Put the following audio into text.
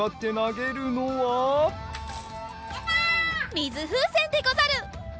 みずふうせんでござる。